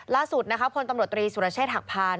ล่าสุดนะครับพลตำรวจตรีศุรเชษฐกภาร